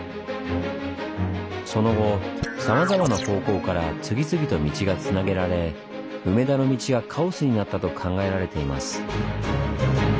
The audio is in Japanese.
その後さまざまな方向から次々と道がつなげられ梅田の道はカオスになったと考えられています。